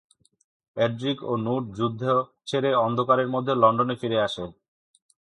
Edric ও Knut যুদ্ধ ছেড়ে অন্ধকারের মধ্যে লন্ডনে ফিরে আসে।